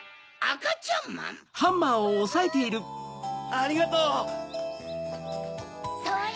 ありがとう！それ！